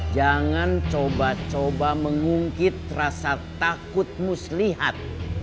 jangan coba coba mengungkit rasa takut muslihat